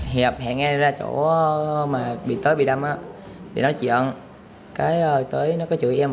hiệp hẹn em ra chỗ mà bị tới bị đâm á để nói chuyện